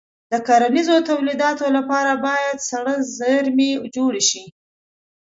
د کرنیزو تولیداتو لپاره باید سړه زېرمې جوړې شي.